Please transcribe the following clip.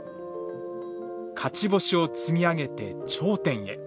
勝ち星を積み上げて頂点へ。